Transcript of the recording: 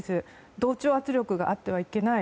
同調圧力があってはいけない。